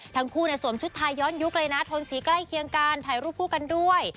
ทั้งคู่สวมชุดไทยย้อนยุคเลยนะทนสีใกล้เคียงกันถ่ายรูปคู่กันด้วย